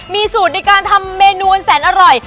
มีสูตรในการทำเมนูแสนอร่อย